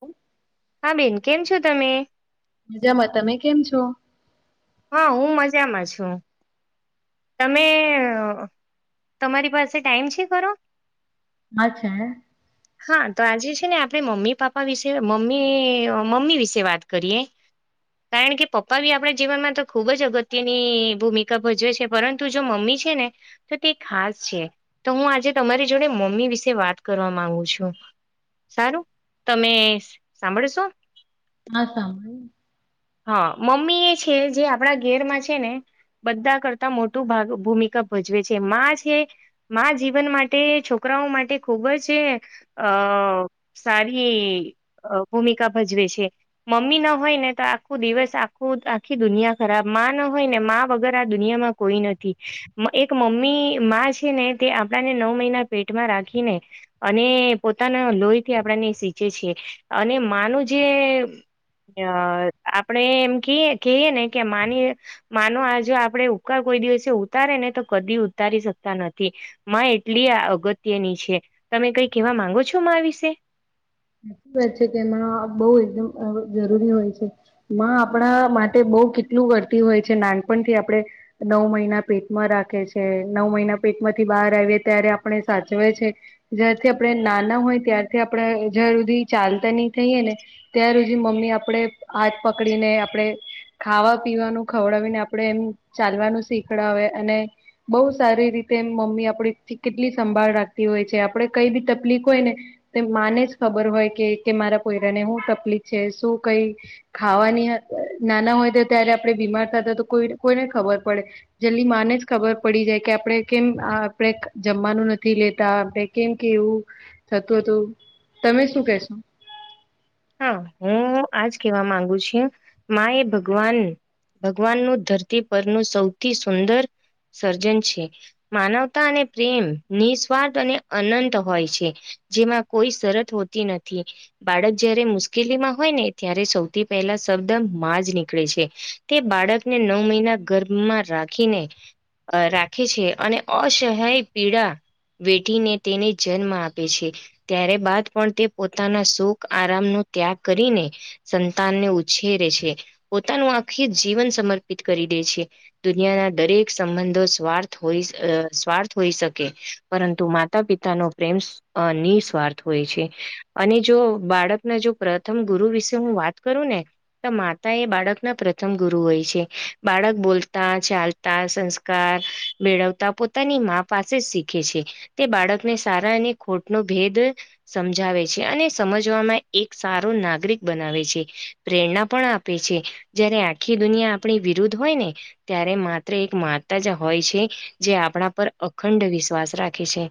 હમ્મ. હા બેન કેમ છો તમે? મજામાં તમે કેમ છો? હા હું મજામાં છું. તમે અહ તમારી પાસે ટાઈમ છે ખરો? હા છે ને. હા તો આજે છે ને આપણે મમ્મી પાપા વિશે મમ્મી અહ મમ્મી વિશે વાત કરીએ. કારણ કે પપ્પા આપણે જીવનમાં તો ખુબ જ અગત્યની ભૂમિકા ભજવે છે પરંતુ જો મમ્મી છે ને તો તે ખાસ છે. તો હું આજે તમારી જોડે મમ્મી વિશે વાત કરવા માંગુ છો. સારું તમે સાંભળશો? હા સાંભળ ને. હા, મમ્મી એ છે જે આપડા ઘેરમાં છે ને બધા કરતા મોટું ભાગ-ભૂમિકા ભજવે છે. માં છે માં જીવન માટે છોકરા રા ઓ માટે ખૂબ છે અહ સારી અહ ભૂમિકા ભજવે છે. મમ્મી ના હોય ને તો આ ખું દિવસ આખું આખી દુનિયા ખરાબ માં ના હોય ને માં વગર આ દુનિયામાં કોઈ નથી. એક મમ્મી માં છે ને તે આપણાને નવ મહિના પેટમાં રાખીને અને પોતા ના લોહી થી આપડા ને સીચે છે. અને માં નું જે અહ આપડણે એમ ક કહીય ને કે માની માનો આજ આપડે ઉકા કોઈ દિવસે ઉતારે ને કદી ઉતારી શકતા નથી માં એટલી અગત્યની છે તમે કઈ કેવા માંગો છો મામાં વિશે? વાત છે કે એમાં બહ એકદમ જરૂરી હોય છે માં આપણા માટે બહુ કેટલું વર્તી હોય છે નાનપણથી આપણે નવ મહિના પેટમાં રાખે છે નવ મહિના પેટ માંથી બહાર આવીએ ત્યારે આપણે સાચવે છે જ્યારથી આપણે નાના હોય ત્યારથી આપણે જ્યાં સુધી ચાલતા નહી થઈએે ને ત્યાં સુધી મમ્મી આપણે હાથ પકડીને આપણેે ખાવા પીવાનું ખવડાવીને આપડણે એમ ચાલવાનું શીખડાવે અને બહુ સારી રીતે એમ મમ્મી આપડી થી કેટલી સંભાળ રાખતી હોય છે આપડે કઈ બી તકલીફ હોય ને તો માનેસ ખબર હોય કે તે મારા કોયરાને શું તકલીફ છે શું કઈ ખાવાની અહ નાનાઓ હદે ત્યારે આપડે બીમાર થતા તો કોઈ કોઈને ખબર પડે જલ્દી માંને જ ખબર પડી જાય કે આપડે કેમ આ આપડે જમવાનું નથી લેતા આપણે કેમ કે એવું થતું હતું. તમે શું કેશો? હા, હું આજ કેવા માંગુ છું માં એ ભગવાન ભગવાનનું ધરતી પરનું સૌથી સુંદર સર્જન છે. માનવતા અને પ્રેમ નિસ્વાર્થ અને અનંત હોય છે. જેમાં કોઈ શરત હોતી નથી. બાળક જ્યારે મુશ્કેલીમાં હોય ને ત્યારે સૌથી પહેલા શબ્દ માં જ નીકળે છે. તે બાળકને નવ મહિના ગર્ભમાં રાખીને અહ રાખે છે અને અસહાય પીડા વેઠીને તેને જન્મ આપે છે ત્ય્યારે બાદ પણ તે પોતાના સુખ આરામ નો ત્યાગ કરીને સંતાનને ઉછેરે છે પોતાનું આખી જીવન સમર્પિત કરી દે છે દુનિયાના દરેક સંબંધો સ્વાર્થ સ્વાર્થ હોઈ શકે પરંતુ માતા પિતા નો પ્રેમ ની સ્વાર્થ હોય છે અને જો બાળકના જો પ્રથમ ગુરુ વિશે હું વાત કરું ને તો માતા એ બાળક ના પ્રથમ ગુરુ હોય. બાળક બોલતા ચાલતા સંસ્કાર મેળવતા પોતાની મામાં પાસે શીખે છે તે બાળકને સારા અને ખોટ નો ભેદ સમજાવે છે અને સમજવામાં એક સારો નાગરિક બનાવે છે પ્રેરણા પણ આપે છે જય્યારે આખી દુનિયા આપણી વિરુદ્ધ હોય ને ત્યારે માત્ર એક માતા જ હોય છે જે આપણા પર અખંડ વિશ્વાસ રાખે છે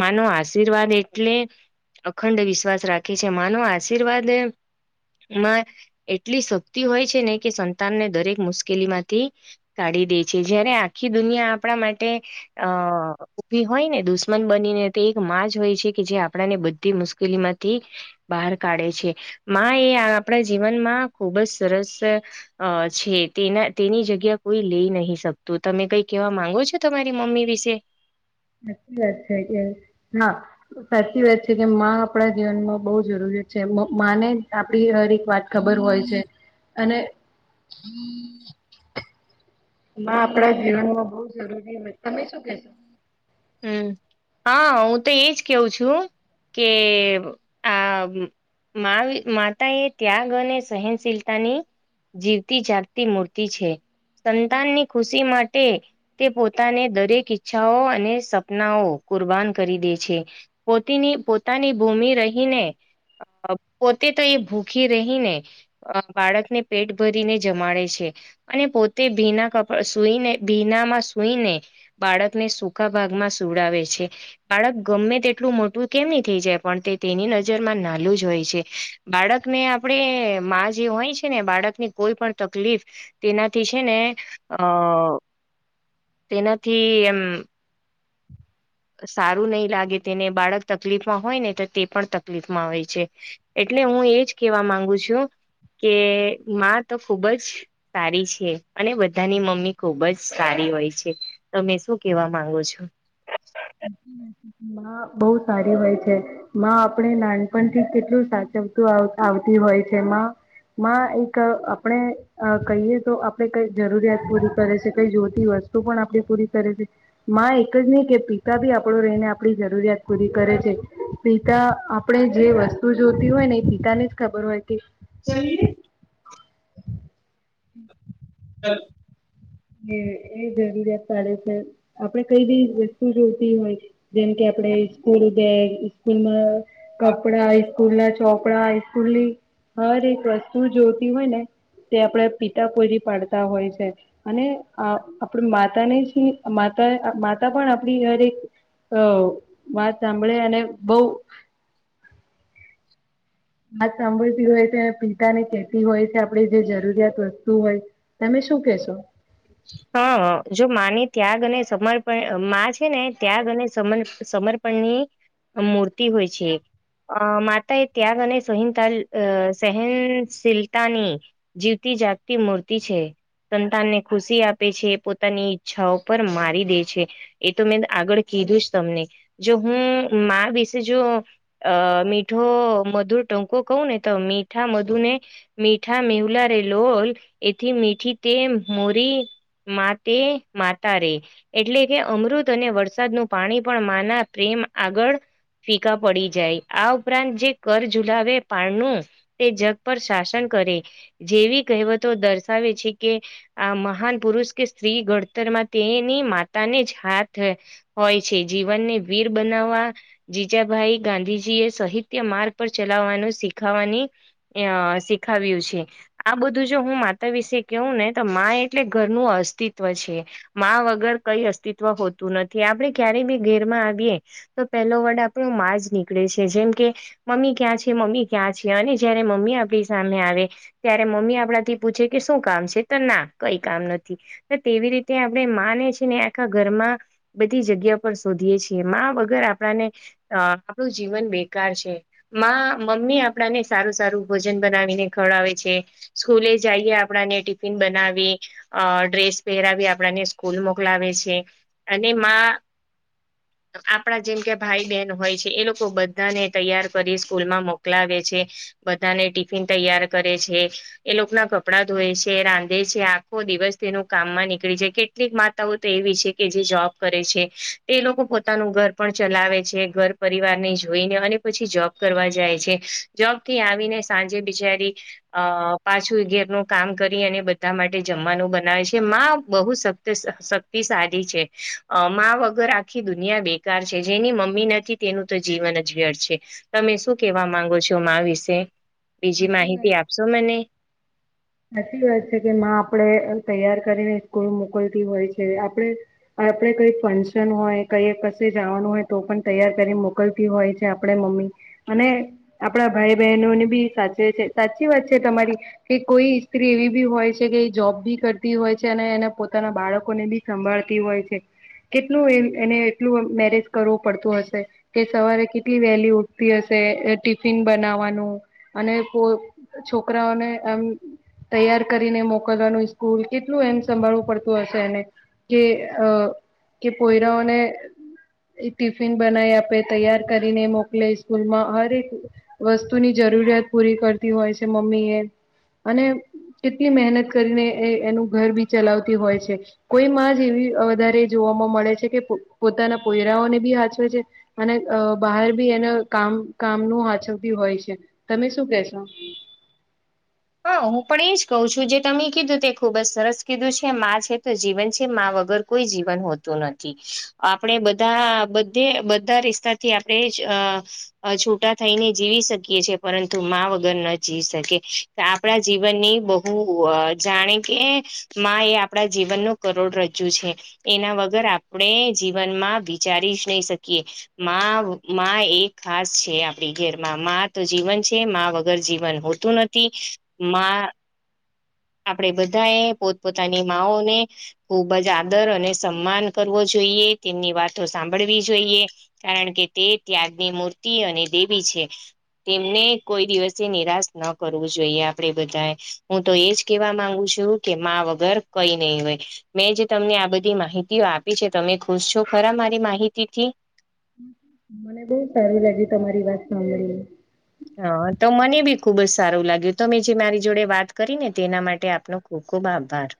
માનો આશીર્વાદ એટલે અખંડ વિશ્વાસ રાખે કે છે માનો આશીર્વાદ માં એટલી શક્તિ હોય છે ને કે સંતાનને દરેક મુશ્કેલી માંથી કાઢી દે છે જયારે આખી દુનિયા આપણા માટે અ ઉભી હોય ને દુશ્મન બનીને તે એક માં જ હોય છે કે જે આપણાને બધી મુશ્કેલીમાં થી બહાર કાઢે છે માં એ આપણા જીવનમાં ખુબ જ સરસ અ છે તેના તેની જગ્યા કોઈ લઈ નહી શકતું તમે કઈ કેહેવા માંગો છો. તમારી મમ્મી વિશે? છેે. સાચી વાત છે. કે હા, સાચી વાત છે કે માં આપણા જીવનમાં બહુ જરૂરી જેમ બહુ માને, આપણી હર એક વાત ખબર હોય છે અને. [unintelligible] માં આપણા જીવનમાં બહુ જરૂરી હોય, તમે શું કેહશો? હમ. હા, હું તો એજ કેવું છું. કે હા, માતા એ ત્યાગ અને સહનશીલતાની જીવતી જાગતી મૂર્તિ છે. સંતાનની ખુશી માટે તે પોતાને દરેક ઈચ્છાઓ અને સપનાઓ કુરબાન કરી દે છે. પોતેની પોતાની ભૂમિ રહીને અ પોતે તો એ ભૂખી રહીને બાળકને પેટ ભરીને જમાડે છે. અને પોતે ભીના કપડા સુઈને, ભીનામાં સુૂઈને બાળકને સુકા- પઞમાં સુડાવે છે. બાળક ગમે તેટલું મોટું કેમની થઈ જાય પણ તે તેની નજરમાં ના ચાલું જ હોય છે. બાળકને આપણેે માં જે હોય છે ને એ બાળકની કોઈ પણ તકલીફ તેનાથી છે ને અહ તેનાથી એમ સારું નહી લાગે તેને બાળક તકલીફમાં હોયને તો તે પણ તકલીફમાં હોય છે. એટ એટલે હું એજ કેવા માંગુ છું કે માં તો ખુબ જ સારી છે, અને બધાની મમ્મી ખુબ જ સારી હોય છે. તમે શું કેવા માંગો છો? માં બહુ સારી હોય છે. માં આપણેે નાનપણથી કેટલું સાચું આવતી હોય છે. માં માં એક આપણે કહીએ તો આપણે કઈ જરૂરિયાત પૂરી કરે છે કઈ જોતી હોય. વસ્તુ પણ આપે પૂરી કરે છે. માં એક જ નહી કેહતી. પિતા બી આપણુ રહીને, આપણી જરૂરિયાત પૂરી કરે છે. પિતા આપણે જે વસ્તુ જોતી હોયને એ પિતાને જ ખબર હોય છે. જઈ. હમ [unintelligible] [unintelligible] હ એ જરૂરિયાત પાડે છે. આપણે કઈ બી વસ્તુ જો હોય. જેમ કે, આપણે સ્કૂલબેગ, સ્કૂલમાં કપડા સ્કૂલના ચોપડા, હાઇસ્કૂલની હર એક વસ્તુ જોઈતી હોયને તે આપણે પીતાપુરી પાડતા હોય છે. અને આપણે માતાને માતા, માતા પણ આપણીએ એક- અહ વાત સાંભળે અને બહું [inaudible] વાત સાંભળતી હોય ત્યારે પિતાની કેતી હોય કે આપડી જે જરૂરિયાત વસ્તુ હોય. તમે શું કહેશો? [inaudible] હા, જો માં ને ત્યાગ અને સમર્પણ માં છે ને ત્યાગ અને સમર સમર્પણની મૂર્તિ હોય છે એક. અહ માતા એ ત્યાગ અને સહિનતાલ સહેનશીલતાની જીવતી જાગતી મૂર્તિ છે. સંતાનને ખુશી આપે છે, પોતાની ઈચ્છાઓ પર મારી દે છે. એ તો મેં આગળ કીધું જ તમને. જો હું માં વિશે જો અહ મીઠો મધુર ટહુંકો કહું ને તો તો મીઠા મધુને, મીઠા મેવલા રે લોલ, એથી મીઠી તે મોરી માં તે માતા રે એટલે કે અમૃત અને વરસાદનું પાણી પણ માં ના પ્રેમ મ આગળ ફીકા પડી જાય. આ ઉપરાંત જે કણ ઝુલાવે પારણું, તે જગ પર શાસન કરે. જેવી કહેવતો દર્શાવે છે કે આ મહાન પુરુષ કે સ્ત્રી ઘડતર માં તે એની માતા ને જ હાથ હોય છે. જીવનને વીર બનાવવા જીજાભાઈ ગાંધીજી એ સાહિત્ય માર્ગ પર ચલાવવાનું શીખ શીખાવાની અહ શીખાવ્યું છે. આ બધું જો હું માતા વિશે કેહું ને ત માં એટલે ઘરનું અસ્તિત્વ છે. માં વગર કંઈ અસ્તિત્વ હોતું નથી. આપણે [unintelligible] રે બી ઘેરમાં આવીએ તો પેલો વર્ડ આપણો માં જ નીકળે છે, જેમ કે મમ્મી ક્યાં છે, મમ મી ક્યાં છે, અને જયારે મમ્મી આપડી સામે આવે ત્યારે મમ્મી આપડા થી પૂછે કે શું કામ છે તો ના કઈ કામ નથી. તો તેવી રીતે આપણે માં ને છે ને આખા ઘરમાં બધી જગ્યા [unintelligible] શોધીએ છીએ. માં વગર આપણાને અહ આપણું જીવન બેકાર છે. માં મમ્મી આપણાને સારું-સારું ભોજન બનાવીને ખવડાવે છે. સ્કૂલે જઈએ આપણાને ટિ ફીન બનાવી અહ ડ્રેસ પહેરાવી આપણાને સ્કૂલ મોકલાવે છે. અને માં [inaudible] આપણા જેમ કે ભાઈ બહેન હોય છે, એ લોકો બધાને તૈયાર કરી સ્કૂલમાં મોકલાવે છે. બધાને ટિફિન તૈયાર કરે છે, એ લોક ના કપડા ધોએ છ છે રાંધે છે આખો દિવસ તેનું કામમાં નીકળી જાય કેટલીક માતાઓ તો એવી છે કે જે જોબ કરે છે. તે લોકો પોતાનું ઘર પણ ચલાવે છે ઘર પરિવાર ને જોઈને અને પછી જોબ કરવા. ાય છે જોબ થી આવીને સાંજે બિચારી પાછું ઘેરનું કામ. કરી અને બધા માટે જમવાનું બનાવે છે માં બહુ શક્તિશાળી છે. વગર આખી દુનિયા બેકાર છે જેની મમ્મી નથી તેનું તો જીવન જ ઘર છે તમે. શું કેવા માંગો છો માં વિશે, બીજી સાચી વાત માહિતી આપશો મને? સાચી વાત છે કે માં આપડે તૈયાર કરીને સ્કૂલ મોકલતી હોય છે. આપણે અહ આપણે કઈ ફંક્શન હોય, કય કશે જવાનું હોય તો પણ તૈયાર કરી મોકલતી હોય છે આપણે મમ્મી. અને આપડા ભાઈ બહેનો ને બી સાચવે છે. સાચી વાત છે તમારી કે કોઈ ઈસ્ત્રી એવી બી હોય છે કે એ જોબ બી કરતી હોય છે અને એને પોતાના બાળકો ને બી સંભાળતી હોય છે. કેટલું એમ એને એટલું મેનેજ કરવું પડતું હશે. કે સવારે કેટલી વહેલી ઉઠ તી હશે, અહ ટિફિન બનાવવાનું અને કો છોકરાઓને આમ તૈયાર કરીને મોકલવાનું સ્કૂલ, કેટલું એમ સંભાળવું પડતું હશે એને, કે અહ અહ કે પોયરાઓને એ ટિફિન બનાવી આપે, તૈયાર કરીને મોકલે સ્કૂલમાં, હર એક વસ્તુની જર જરૂરિયાત પૂરી કરતી હોય છે મમ્મી એ. અને કેટલી મહેનત કરીને એ એનું ઘર બી ચલાવતી હોય છે. કોઈ માં જેવી અહ વધારે જોવામાં મળે છે કે પ પોતાના પોયરાઓને બી હાચવે છે, અને બહાર બી એનો કામ કામ ન હાચળી હોય છે તમે શું કેશો. [inaudible] હા હું પણ એજ કહ છું જે તમે કીધું તે ખુબ જ સરસ કીધું છે મા છે તો જીવન છે મા વગર. કો જીવન હોતું નથી આપણે બા બધા રિસ્તાથી આપણે. અ છૂટા થઈને જીવી શકીએ છેએ પરંતુ માં વગર ન જીવી શકે. આપણા જીવનની બહુ જાણે કે મા એ આપણા જીવનનોો કરોડ રજ. એના વગર આપણે જીવનમાં વિચારી જ નહી શકીએ. માં એ ખાસ છે આપડી ઘેરમાં મા તો જીવન છે વગર જીવન હોતું નથી. [inaudible] આપડે બધા એ પોતપોતાની માઓને ખુબ જ આદર અને સન્માન કરવો જોઈએ. ઈએ તેમની વાતો સાંભળવી જોઈએ કારણ કે તે ત્યાગની મૂર્તિ અને દેવી છે. તેમને કોઈ દિવસે નિરાશ ન કરવું જોઈએ આપે બધા હું તો એજ. કેવા માંગુ છું કે વગર કઈ નહી હોય મેં જે તમને આ બધી માહિતીઓ આપી છે તને. તમે ખુશ છો ખરા મારી માહિતીથી. મને બહ સારું લાગ્યું તમારી વાત સાંભળીએ. હ તો મને બી ખુબ જ સારું લાગ્યું તો મેં જે મારી જોડે વાત કરી ને તેના માટે આપનો ખુબ. ખુબ આભાર.